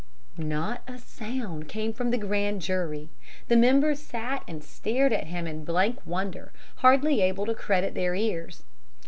Not a sound came from the grand jury; the members sat and stared at him in blank wonder, hardly able to credit their ears.